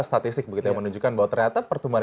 statistik begitu yang menunjukkan bahwa ternyata pertumbuhan